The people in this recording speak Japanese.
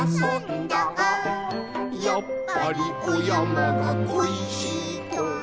「やっぱりおやまがこいしいと」